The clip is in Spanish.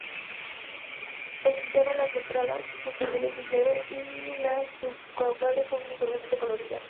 El punteado en las ventrales posteriores es leve y las subcaudales son uniformemente coloridas.